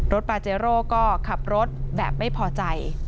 ปาเจโร่ก็ขับรถแบบไม่พอใจ